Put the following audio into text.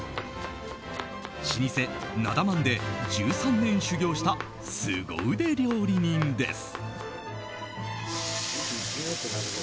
老舗なだ万で１３年修業したスゴ腕料理人です。